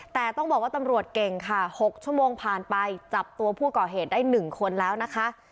แต่ต้องบอกว่าตำรวจเก่งค่ะ๖ชั่วโมงผ่านไปจับตัวผู้ก่อเหตุได้๑คนแล้วนะคะ